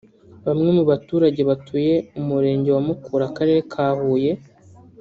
bamwe mu baturage batuye Umurenge wa Mukura Akarere ka Huye